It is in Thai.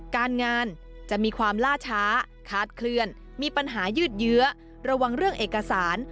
การงานจะมีความล่าช้าคาดเคลื่อนมีปัญหายืดเยื้อระวังเรื่องเอกสาร